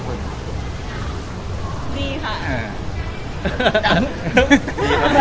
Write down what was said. ดีค่ะ